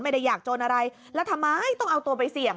อยากจนอะไรแล้วทำไมต้องเอาตัวไปเสี่ยง